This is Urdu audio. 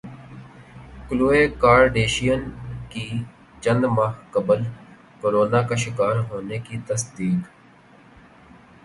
کلوئے کارڈیشن کی چند ماہ قبل کورونا کا شکار ہونے کی تصدیق